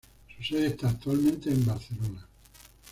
Su sede está actualmente en Barcelona.